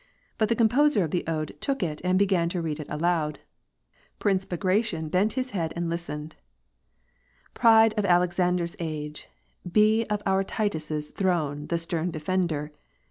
But the composer of the ode took it and began to read it aloud. Prince Bagration bent his head and listened, —" Pride of Alexander's age ! Be of our Titus' throne the stern defender!